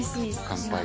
乾杯。